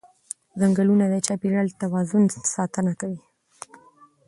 ځنګلونه د چاپېریال د توازن ساتنه کوي